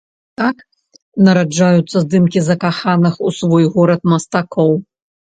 Так нараджаюцца здымкі закаханых у свой горад мастакоў.